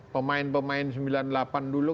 pemain pemain sembilan puluh delapan dulu